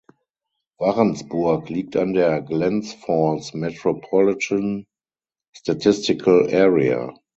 Warrensburg liegt in der Glens Falls Metropolitan Statistical Area.